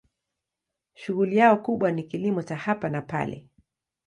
Shughuli yao kubwa ni kilimo cha hapa na pale.